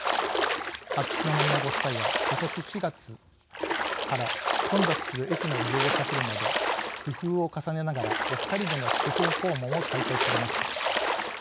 秋篠宮ご夫妻は、今年４月から混雑する駅の利用を避けるなど工夫を重ねながらお二人での地方訪問を再開されました。